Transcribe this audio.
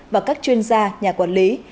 và các chuyên gia nhà quản lý